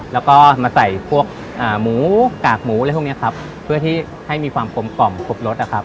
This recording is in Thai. แล้วก็มาใส่พวกอ่าหมูกากหมูอะไรพวกเนี้ยครับเพื่อที่ให้มีความกลมกล่อมครบรสนะครับ